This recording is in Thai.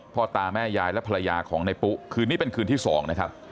พ่อตาแม่ยายและภรรยาของในปุ๊คืนนี้เป็นคืนที่๒นะครับ